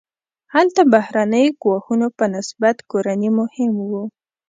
هلته بهرنیو ګواښونو په نسبت کورني مهم وو.